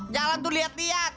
jalan tuh liat liat